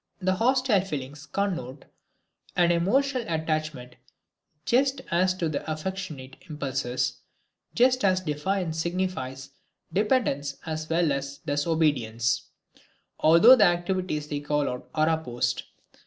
The hostile feelings connote an emotional attachment just as do the affectionate impulses, just as defiance signifies dependence as well as does obedience, although the activities they call out are opposed.